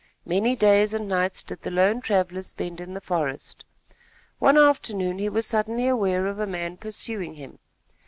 Many days and nights did the lone traveller spend in the forest. One afternoon he was suddenly aware of a man pursuing him.